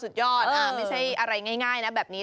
สุดยอดไม่ใช่อะไรง่ายนะแบบนี้